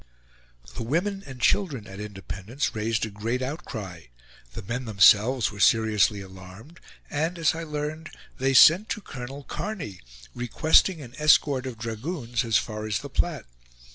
The women and children at Independence raised a great outcry; the men themselves were seriously alarmed; and, as I learned, they sent to Colonel Kearny, requesting an escort of dragoons as far as the Platte.